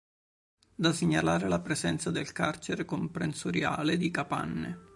Da segnalare la presenza del carcere comprensoriale di Capanne.